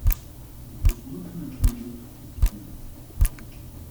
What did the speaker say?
We zullen die natuurlijk goedkeuren.